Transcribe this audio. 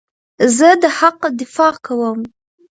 زه د حق دفاع کوم.